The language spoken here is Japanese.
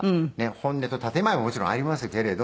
本音と建前ももちろんありますけれども。